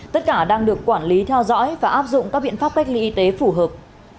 tất cả đang được quản lý theo dõi và áp dụng các biện pháp cách ly y tế phù hợp